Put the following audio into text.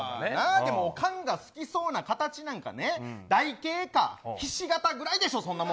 おかんが好きな形なんて台形かひし形ぐらいでしょ。